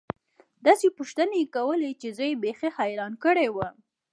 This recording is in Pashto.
داسې پوښتنې يې کولې چې زه يې بيخي حيران کړى وم.